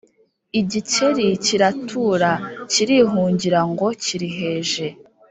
igikeri kiratura kirihungira ngo kiriheje,